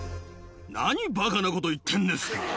何、ばかなこと言ってんですか！